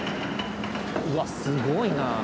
うわすごいなあ。